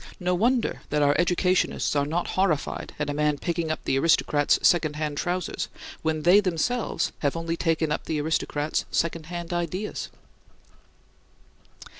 No wonder that our educationists are not horrified at a man picking up the aristocrat's second hand trousers, when they themselves have only taken up the aristocrat's second hand ideas.